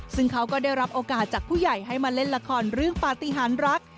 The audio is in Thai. ซึ่งเขาก็ได้รับโอกาสจากผู้ใหญ่ให้มาเล่นละครเรื่องปฏิหารรัก